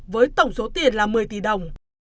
với tổng số tiền là một mươi tỷ đồng